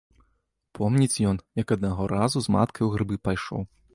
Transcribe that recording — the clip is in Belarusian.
Помніць ён, як аднаго разу з маткай у грыбы пайшоў.